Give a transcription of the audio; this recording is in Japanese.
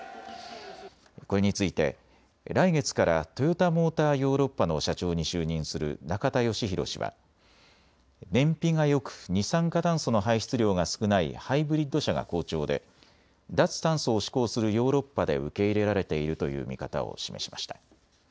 これについて来月からトヨタモーターヨーロッパの社長に就任する中田佳宏氏は、燃費がよく二酸化炭素の排出量が少ないハイブリッド車が好調で脱炭素を志向するヨーロッパで受け入れられているという見方を示しました。